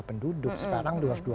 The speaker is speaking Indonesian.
penduduk sekarang dua ratus dua puluh